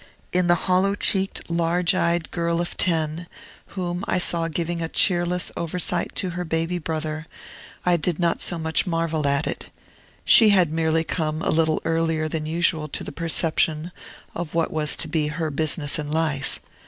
In the hollow cheeked, large eyed girl of ten, whom I saw giving a cheerless oversight to her baby brother, I did not so much marvel at it. She had merely come a little earlier than usual to the perception of what was to be her business in life.